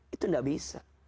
itu tidak bisa